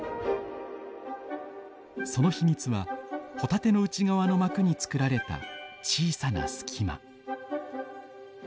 その秘密はホタテの内側の膜に作られた小さな隙間。